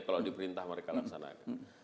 kalau di perintah mereka laksanakan